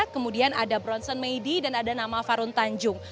kemudian ada bronson meidi dan ada nama farun tanjung